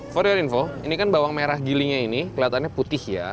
for your info ini kan bawang merah gilingnya ini kelihatannya putih ya